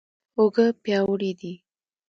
اوږه پیاوړې دي.